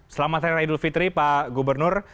selamat hari raya idul fitri pak gubernur